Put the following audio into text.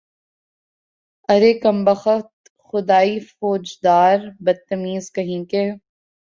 ارے کم بخت، خدائی فوجدار، بدتمیز کہیں کے